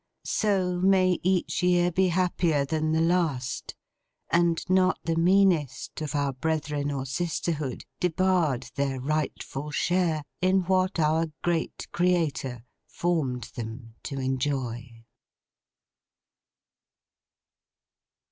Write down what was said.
So may each year be happier than the last, and not the meanest of our brethren or sisterhood debarred their rightful share, in what our Great Creator formed them to enjoy.